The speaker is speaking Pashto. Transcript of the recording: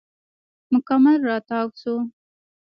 مکمل راتاو شو.